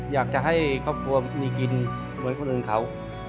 อยากจะให้ครอบครัวมีกินเหมือนคนอื่นเขา